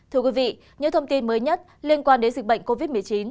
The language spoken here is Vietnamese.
thưa quý vị những thông tin mới nhất liên quan đến dịch bệnh covid một mươi chín